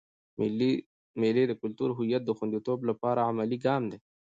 مېلې د کلتوري هویت د خونديتوب له پاره عملي ګام دئ.